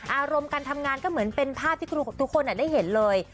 อารมณ์การทำงานก็เหมือนเป็นภาพที่ทุกคนได้เห็นเลย